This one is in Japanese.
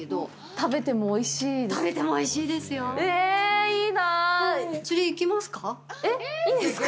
食べてもおいしいですか？